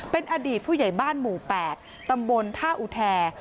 เป็นอดีตผู้ใหญ่บ้านหมู่๘ตำบลท่าอุแท